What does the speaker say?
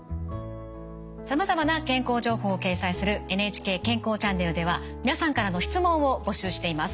さまざまな健康情報を掲載する「ＮＨＫ健康チャンネル」では皆さんからの質問を募集しています。